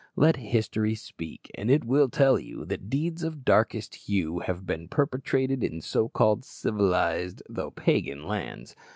Let history speak, and it will tell you that deeds of darkest hue have been perpetrated in so called civilized though pagan lands.